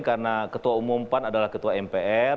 karena ketua umum pan adalah ketua mpr